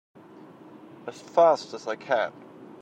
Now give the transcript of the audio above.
As fast as I can!